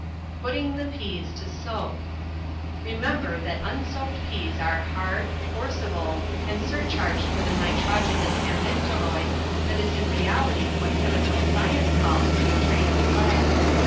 PUTTING THE PEAS TO SOAK Remember that unsoaked peas are hard, forcible, and surcharged with a nitrogenous amygdaloid that is in reality what chemical science calls putrate of lead.